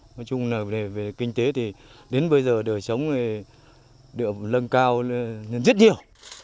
nói chung về kinh tế đến bây giờ đời sống được lân cao rất nhiều